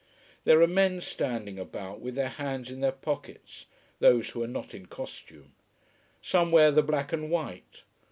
There are men standing about, with their hands in their pockets, those who are not in costume. Some wear the black and white.